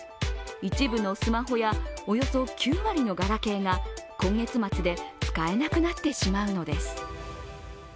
一部のスマホやおよそ９割のガラケーが今月末で使えなくなってしまうのです。